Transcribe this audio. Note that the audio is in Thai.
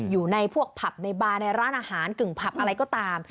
อยู่ในพวกผับในบาร์ในร้านอาหารกึ่งผับอะไรก็ตาม